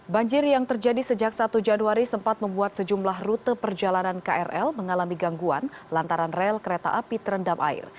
banjir yang terjadi sejak satu januari sempat membuat sejumlah rute perjalanan krl mengalami gangguan lantaran rel kereta api terendam air